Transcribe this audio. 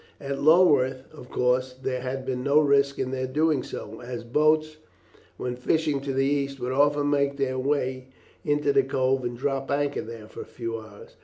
At Lulworth, of course, there had been no risk in their doing so, as boats, when fishing to the east, would often make their way into the cove and drop anchor there for a few hours.